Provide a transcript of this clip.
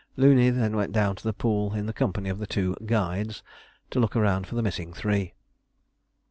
Looney then went down to the pool in the company of the two "guides," to look around for the missing three.